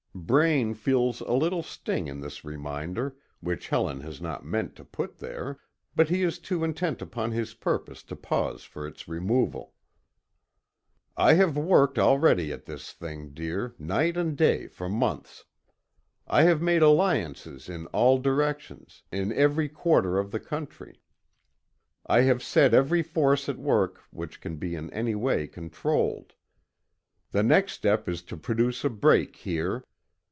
Braine feels a little sting in this reminder, which Helen has not meant to put there, but he is too intent upon his purpose to pause for its removal. "I have worked already at this thing, dear, night and day for months. I have made alliances in all directions, in every quarter of the country. I have set every force at work which can be in any way controlled. The next step is to produce a break here.